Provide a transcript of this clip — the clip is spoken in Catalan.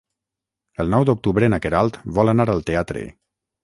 El nou d'octubre na Queralt vol anar al teatre.